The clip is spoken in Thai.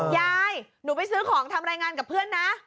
ยายหนูไปซื้อของทำรายงานกับเพื่อนนะ